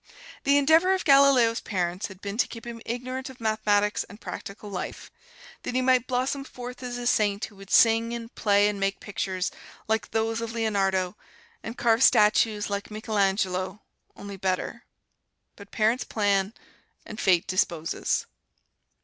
The endeavor of Galileo's parents had been to keep him ignorant of mathematics and practical life, that he might blossom forth as a saint who would sing and play and make pictures like those of Leonardo, and carve statues like Michelangelo, only better. But parents plan, and Fate disposes.